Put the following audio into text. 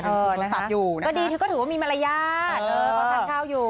ติดสับอยู่นะครับค่ะก็ดีที่ก็ถือว่ามีมารยาทเพราะทานข้าวอยู่